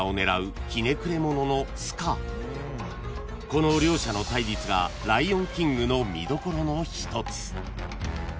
［この両者の対立が『ライオンキング』の見どころの一つ］